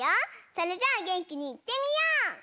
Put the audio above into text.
それじゃあげんきにいってみよう！